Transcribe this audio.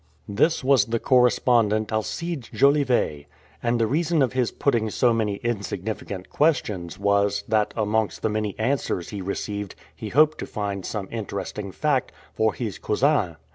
This was the correspondent Alcide Jolivet, and the reason of his putting so many insignificant questions was, that amongst the many answers he received, he hoped to find some interesting fact "for his cousin."